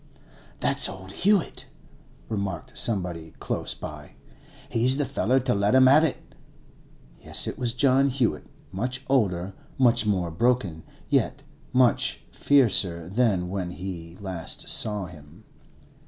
'That's old Hewett,' remarked somebody close by. 'He's the feller to let 'em 'ave it!' Yes, it was John Hewett, much older, much more broken, yet much fiercer than when we last saw him.